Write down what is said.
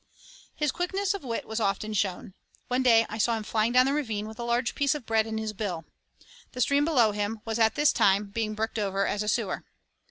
His quickness of wit was often shown. One day I saw him flying down the ravine with a large piece of bread in his bill. The stream below him was at this time being bricked over as a sewer.